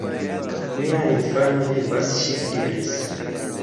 Mia infano vivas, ŝi diris.